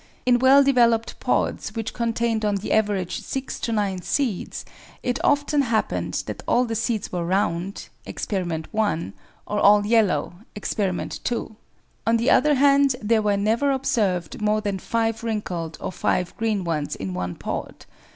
In well developed pods which contained on the average six . to nine seeds, it often happened that all the seeds were round (Expt. 1) or all yellow (Expt. 2); on the other hand there were never observed more than five wrinkled or five green ones in one pod.